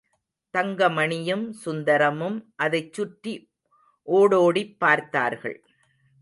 தங்கமணியும் சுந்தரமும் அதைச் சுற்றி ஓடோடிப் பார்த்தார்கள்.